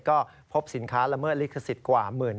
ก็พบสินค้าละเมิดลิขสิทธิ์กว่า